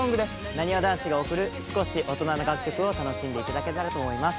「なにわ男子が贈る少し大人な楽曲を楽しんで頂けたらと思います」